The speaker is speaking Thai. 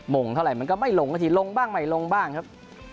งเท่าไหร่มันก็ไม่ลงสักทีลงบ้างไม่ลงบ้างครับ